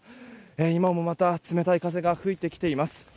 今もまた冷たい風が吹いてきています。